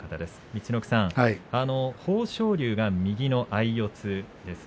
陸奥さん、豊昇龍が右の相四つです。